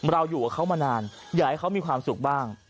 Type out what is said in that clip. เราอยู่กับเขามานานอยากให้เขามีความสุขบ้าง